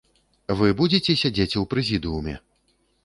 Вы будзеце сядзець у прэзідыуме?